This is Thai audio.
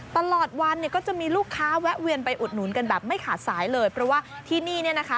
ตลอดวันเนี่ยก็จะมีลูกค้าแวะเวียนไปอุดหนุนกันแบบไม่ขาดสายเลยเพราะว่าที่นี่เนี่ยนะคะ